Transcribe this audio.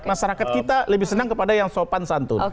masyarakat kita lebih senang kepada yang sopan santun